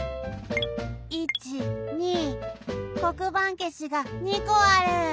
１２こくばんけしが２こある！